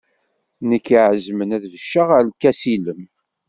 Nekk i iɛezmen ad becceɣ ɣer lkas ilem.